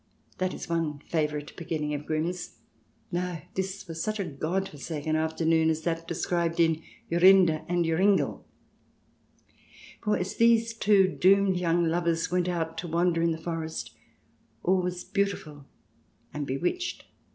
(That is one favourite beginning of Grimm's.) No, this was such a God forsaken afternoon as that described in " Jorinde and Joringel." For as these two doomed young lovers went out to wander in the forest all was beautiful and bewitched.